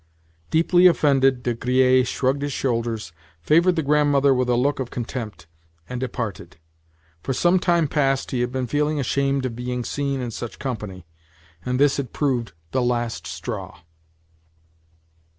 Deeply offended, De Griers shrugged his shoulders, favoured the Grandmother with a look of contempt, and departed. For some time past he had been feeling ashamed of being seen in such company, and this had proved the last straw.